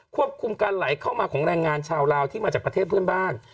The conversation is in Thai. ควบคุมการไหลเข้ามาของแรงงานชาวลาวที่มาจากประเทศเพื่อนบ้าน